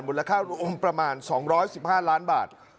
ค่ารวมประมาณ๒๑๕ล้านบาท